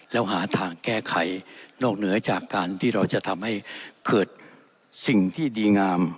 แล้วหาทางแก้ไขนอกเหนือจากการที่เราจะทำให้เกิดสิ่งที่ดีงาม